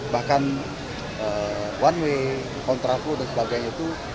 bahkan one way contraflow dan sebagainya itu